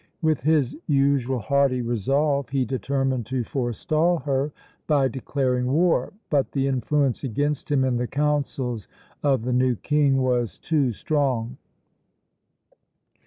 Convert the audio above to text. With his usual haughty resolve, he determined to forestall her by declaring war; but the influence against him in the councils of the new king was too strong.